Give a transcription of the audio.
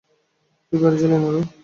তুই পেরেছিলি, নারু।